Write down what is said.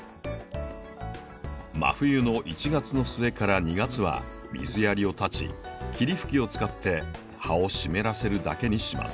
真冬の１月の末から２月は水やりを断ち霧吹きを使って葉を湿らせるだけにします。